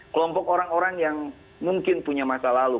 kelompok orang orang yang mungkin punya masa lalu